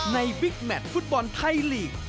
บิ๊กแมทฟุตบอลไทยลีก